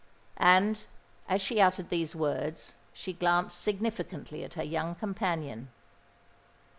And, as she uttered these words, she glanced significantly at her young companion.